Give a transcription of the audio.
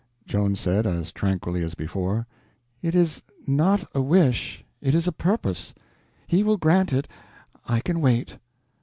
Joan said, as tranquilly as before: "It is not a wish, it is a purpose. He will grant it. I can wait."